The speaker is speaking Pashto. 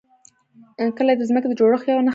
کلي د ځمکې د جوړښت یوه نښه ده.